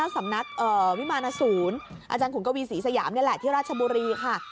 สำนักวิมาณศูนย์อาจารย์ขุนกวีศรีสยามนี่แหละที่ราชบุรีค่ะ